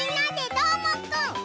どーもくん！